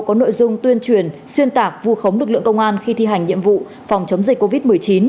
có nội dung tuyên truyền xuyên tạc vu khống lực lượng công an khi thi hành nhiệm vụ phòng chống dịch covid một mươi chín